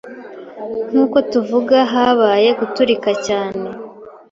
Nkuko tuvuga, habaye guturika cyane